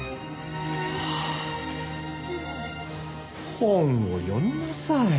本を読みなさい。